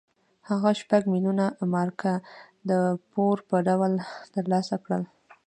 هغه شپږ میلیونه مارکه د پور په ډول ترلاسه کړل.